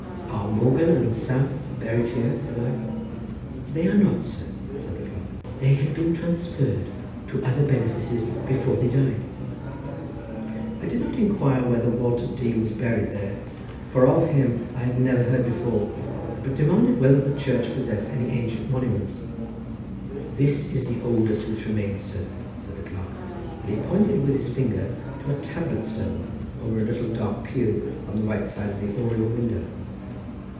"Are Morgan and South buried here?" said I. "They are not, sir," said the clerk; "they had been transferred to other benefices before they died." I did not inquire whether Walter D— was buried there, for of him I had never heard before, but demanded whether the church possessed any ancient monuments. "This is the oldest which remains, sir," said the clerk, and he pointed with his finger to a tablet stone over a little dark pew on the right side of the oriel window.